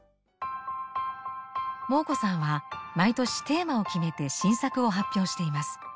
モー子さんは毎年テーマを決めて新作を発表しています。